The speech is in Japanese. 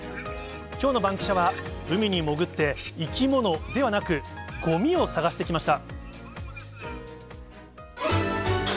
きょうのバンキシャは、海に潜って生き物ではなく、ごみを探してきました。